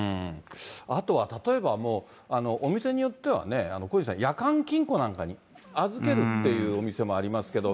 あとは例えばもう、お店によってはね、小西さん、夜間金庫なんかに預けるっていうお店もありますけど。